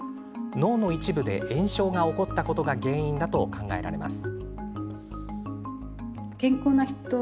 脳の一部で炎症が起こったことが原因だと考えられます。